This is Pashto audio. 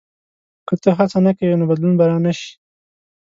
• که ته هڅه نه کوې، نو بدلون به نه راشي.